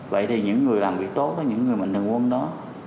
vậy thì những người làm việc tốt có những người mạnh thường quân đó